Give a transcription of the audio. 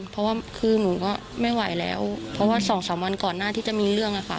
เพราะว่าคือหนูก็ไม่ไหวแล้วเพราะว่าสองสามวันก่อนหน้าที่จะมีเรื่องอะค่ะ